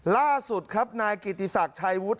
ล่าสุดครับนายกิติศักดิ์ชัยวุฒิ